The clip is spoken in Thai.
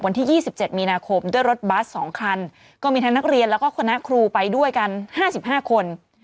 วันที่๒๗มีนาคมด้วยรถบัส๒คันก็มีทั้งนักเรียนแล้วก็คณะครูไปด้วยกัน๕๕คน